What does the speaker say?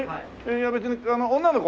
いや別に女の子？